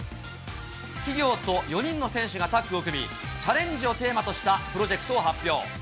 企業と４人の選手がタッグを組み、チャレンジをテーマとしたプロジェクトを発表。